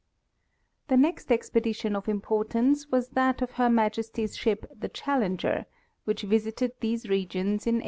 The next expedition of importance was that of Her Majesty's ship the Challenger, which visited these regions in 1874.